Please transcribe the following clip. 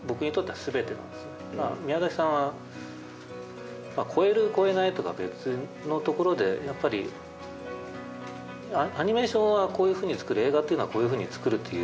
宮崎さんは超える超えないとか別のところでやっぱりアニメーションはこういうふうに作る映画っていうのはこういうふうに作るっていう。